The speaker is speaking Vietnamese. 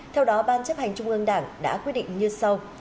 theo đó ban chấp hành trung ương đảng đã quyết định như sau